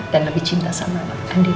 dan lebih cinta sama andi